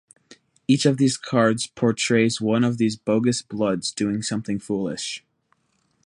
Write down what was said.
Each of these cards portrays one of these bogus bloods doing something foolish.